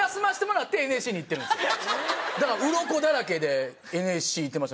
だからうろこだらけでＮＳＣ行ってました。